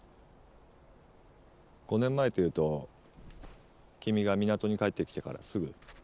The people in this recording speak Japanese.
５年前っていうと君が港に帰ってきてからすぐ？